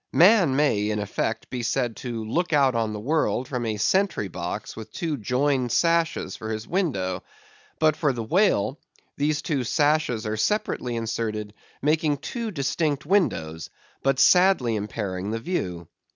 Man may, in effect, be said to look out on the world from a sentry box with two joined sashes for his window. But with the whale, these two sashes are separately inserted, making two distinct windows, but sadly impairing the view.